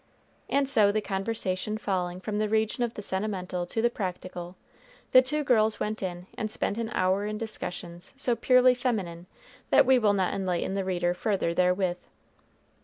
And so, the conversation falling from the region of the sentimental to the practical, the two girls went in and spent an hour in discussions so purely feminine that we will not enlighten the reader further therewith.